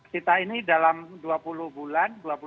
kita ini dalam dua puluh bulan